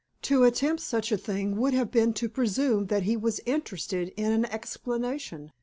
To attempt such a thing would have been to presume that he was interested in an explanation.